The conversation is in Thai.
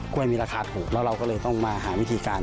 ้วยมีราคาถูกแล้วเราก็เลยต้องมาหาวิธีการ